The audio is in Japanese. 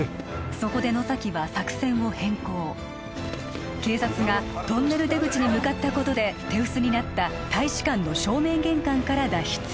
そこで野崎は作戦を変更警察がトンネル出口に向かったことで手薄になった大使館の正面玄関から脱出